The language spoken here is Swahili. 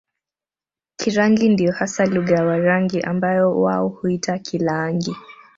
Kirangi ndiyo hasa lugha ya Warangi ambayo wao huiita Kilaangi